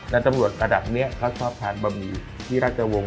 แล้วตำรวจระดับนี้เขาชอบทานบะหมี่ที่ราชวงศ